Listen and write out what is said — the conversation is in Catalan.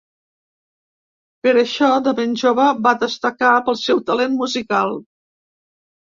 Per això, de ben jove va destacar pel seu talent musical.